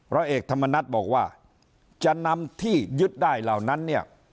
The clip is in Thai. ร้อยเอกธรรมนัฏบอกว่าจะนำที่ยึดได้เหล่านั้นเนี่ย